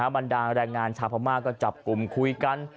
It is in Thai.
บรรดาแรงงานชาวพม่าก็จับกลุ่มคุยกัน